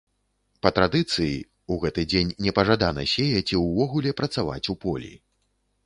Па традыцыі, у гэты дзень непажадана сеяць і ўвогуле працаваць у полі.